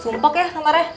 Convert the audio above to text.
sumpok ya kamarnya